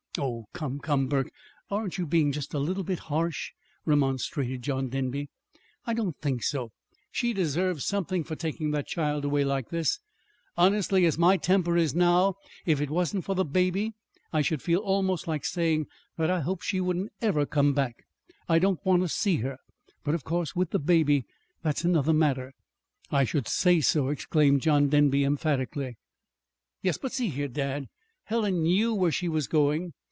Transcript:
"Oh, come, come, Burke, aren't you just a little bit harsh?" remonstrated John Denby. "I don't think so. She deserves something for taking that child away like this. Honestly, as my temper is now, if it wasn't for the baby, I should feel almost like saying that I hoped she wouldn't ever come back. I don't want to see her. But, of course, with the baby, that's another matter." "I should say so!" exclaimed John Denby emphatically. "Yes; but, see here, dad! Helen knew where she was going.